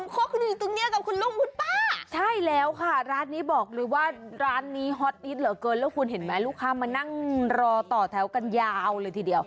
คือคือคราศพรรยี้แล้วค่ะร้านนี้บอกเลยว่าร้านนี้ฮอตนิดเหลอะเกินแล้วคุณเห็นไหมลูกค้ามานั่งรอต่อแถวกันยาวเลยทีเดียว